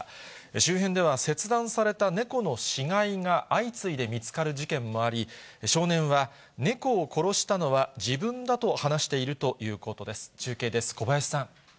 周辺では切断された猫の死骸が相次いで見つかる事件もあり、少年は猫を殺したのは自分だと話しているということです。